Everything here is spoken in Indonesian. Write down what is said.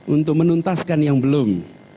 untuk menuntaskan yang belum